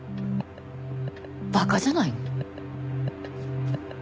馬鹿じゃないの？